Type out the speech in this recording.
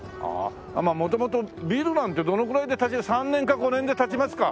元々ビルなんてどのくらいで３年か５年で建ちますか。